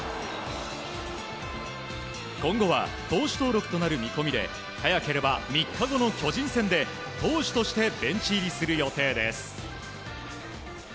今後は投手登録となる見込みで早ければ３日後の巨人戦で投手としてベンチ入りする予定です。